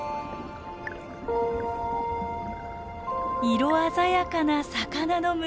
色鮮やかな魚の群れ。